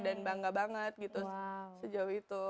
dan bangga banget gitu sejauh itu